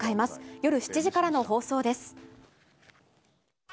夜７時からの放送です。